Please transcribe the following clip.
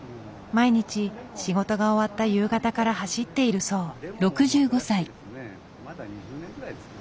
毎日仕事が終わった夕方から走っているそう。